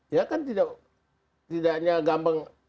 ya kan tidaknya gampang